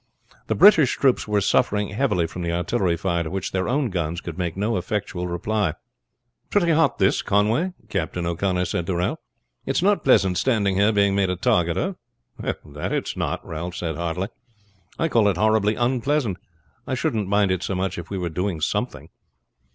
The British troops were suffering heavily from the artillery fire to which their own guns could make no effectual reply. "Pretty hot this, Conway," Captain O'Connor said to Ralph. "It's not pleasant standing here being made a target of." "That it's not," Ralph said heartily. "I call it horribly unpleasant. I shouldn't mind it so much if we were doing something."